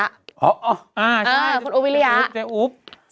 อ๋ออ่าใช่คุณอูปวิริยะแต่อูป